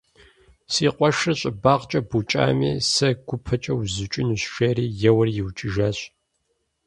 Си къуэшыр щӀыбагъкӀэ букӀами сэ гупэкӀэ узукӀынущ, жери, еуэри иукӀыжащ.